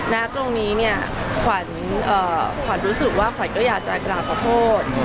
และนะตรงนี้ขวัญรู้สึกว่าขวัญก็อาจจะกลายขอโทษ